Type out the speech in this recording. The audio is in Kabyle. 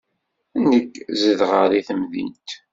Nekk zedɣeɣ deg temdint.